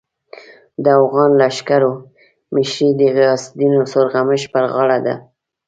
د اوغان لښکرو مشري د غیاث الدین سورغمش پر غاړه ده.